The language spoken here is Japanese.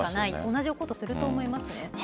同じことをすると思います。